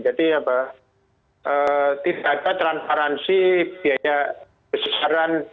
jadi apa tidak ada transparansi biaya besaran